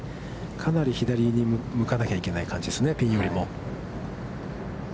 かなり左に向かなきゃいけない感じですね、ピンよりも。